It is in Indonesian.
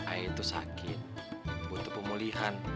ayah itu sakit butuh pemulihan